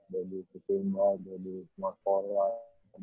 bagi ke lima jadi north forward